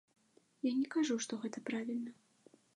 Я не кажу, што гэта правільна.